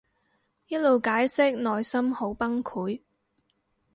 一路解釋內心好崩潰